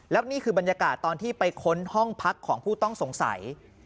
แล้วนี่คือบรรยากาศตอนที่ไปค้นห้องพักของผู้ต้องสงสัย